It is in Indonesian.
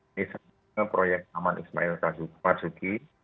ini adalah proyek taman ismail mazuki